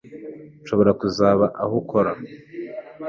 Nshobora kubaza aho ukorera